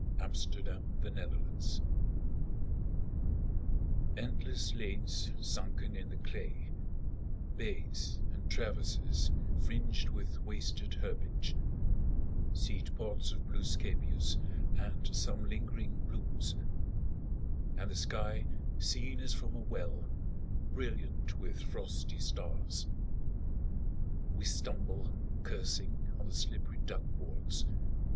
Frederic Manning THE TRENCHES ENDLESS lanes sunken in the clay, Bays, and traverses, fringed with wasted herbage, Seed pods of blue scabious, and some lingering blooms ; And the sky, seen as from a well, Brilliant with frosty stars. We stumble, cursing, on the slippery duck boards.